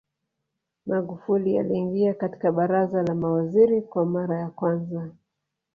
Magufuli aliingia katika Baraza la Mawaziri kwa mara ya kwanza